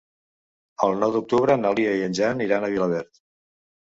El nou d'octubre na Lia i en Jan iran a Vilaverd.